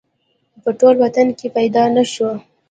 په ټول وطن کې پیدا نه شو